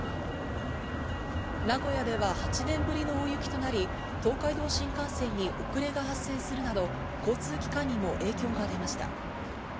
名古屋では８年ぶりの大雪となり、東海道新幹線に遅れが発生するなど、交通機関にも影響が出ました。